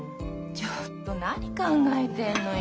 ちょっと何考えてんのよ。